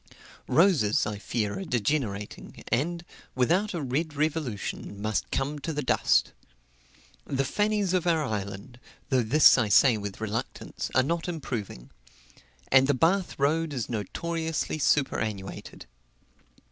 Roses, I fear, are degenerating, and, without a Red revolution, must come to the dust. The Fannies of our island though this I say with reluctance are not improving; and the Bath road is notoriously superannuated.